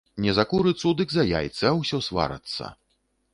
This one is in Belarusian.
Не за курыцу, дык за яйцы, а ўсё сварацца.